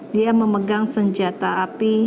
dia memegang senjata api